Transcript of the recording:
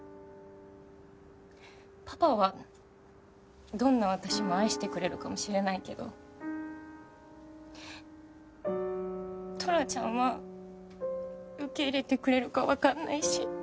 パパはどんな私も愛してくれるかもしれないけどトラちゃんは受け入れてくれるかわかんないし。